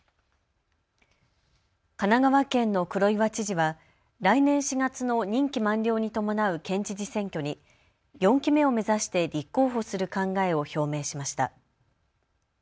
神奈川県の黒岩知事は来年４月の任期満了に伴う県知事選挙に４期目を目指して立候補する考えを表明しました。